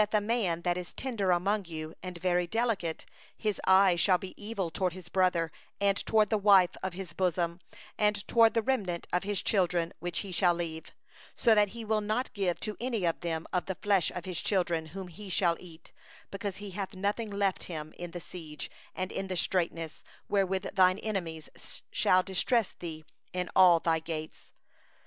54The man that is tender among you, and very delicate, his eye shall be evil against his brother, and against the wife of his bosom, and against the remnant of his children whom he hath remaining; 55so that he will not give to any of them of the flesh of his children whom he shall eat, because he hath nothing left him; in the siege and in the straitness, wherewith thine enemy shall straiten thee in all thy gates.